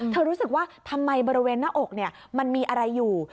รู้สึกว่าทำไมบริเวณหน้าอกมันมีอะไรอยู่